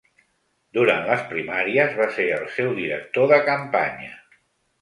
Durant les primàries va ser el seu director de campanya.